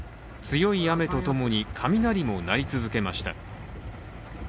強い雨とともに雷も鳴り続けました。